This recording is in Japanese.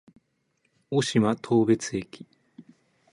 渡島当別駅